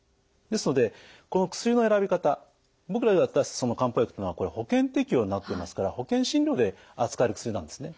ですのでこの薬の選び方僕らが渡すその漢方薬っていうのは保険適用になっていますから保険診療で扱える薬なんですね。